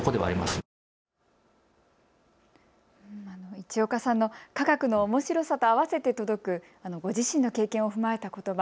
市岡さんの科学のおもしろさと合わせて届く、ご自身の経験を踏まえたことば。